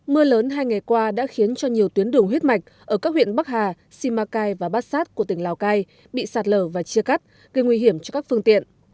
mưa lớn hai ngày qua đã khiến cho nhiều tuyến đường huyết mạch ở các huyện bắc hà simacai và bát sát của tỉnh lào cai bị sạt lở và chia cắt gây nguy hiểm cho các phương tiện